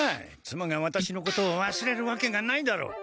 妻がワタシのことをわすれるわけがないだろう！